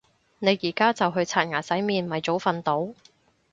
你而家就去刷牙洗面咪早瞓到